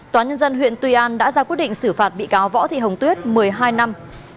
tòa nhân dân huyện tuy an đã ra quyết định xử phạt bị cáo võ thị hồng tuyết một mươi hai năm